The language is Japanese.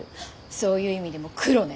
そういう意味でもクロね。